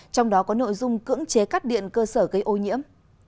trong đó có nội dung cưỡng chế cắt điện cơ sở gây ô nhiễm